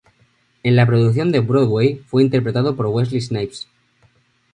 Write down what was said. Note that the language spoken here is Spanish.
En la producción de Broadway fue interpretado por Wesley Snipes.